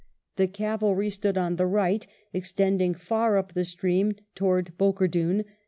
The cavalry stood on the right, extending far up the stream towards Bokerdun.